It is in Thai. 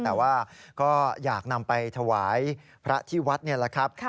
แต่ว่าก็อยากนำไปถวายพระที่วัดนี่แหละครับ